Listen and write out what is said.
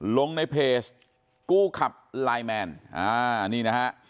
ลงในเพจกู้ขับไลน์แมนอ่านี่นะฮะ